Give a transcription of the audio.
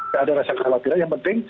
tidak ada rasa kekhawatiran yang penting